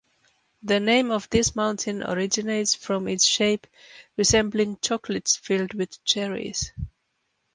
The name of this mountain originates from its shape resembling chocolates filled with cherries.